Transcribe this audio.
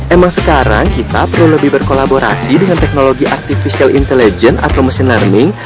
emang sekarang kita perlu lebih berkolaborasi dengan teknologi artificial intelligence atau machine learning